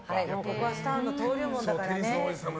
スターの登竜門だからね。